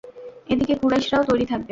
এদিকে কুরাইশরাও তৈরী থাকবে।